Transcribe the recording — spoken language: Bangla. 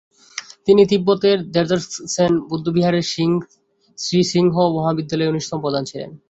তিনি তিব্বতের র্দ্জোগ্স-ছেন বৌদ্ধবিহারের শ্রী সিংহ মহাবিদ্যালয়ের উনিশতম প্রধান ছিলেন।